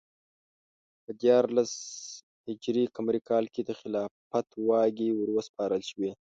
په دیارلس ه ق کال کې د خلافت واګې وروسپارل شوې.